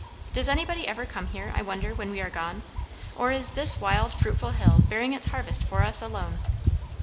Does anybody ever come here, I wonder, when we are gone? or is this wild fruitful hill bearing its harvest for us alone?"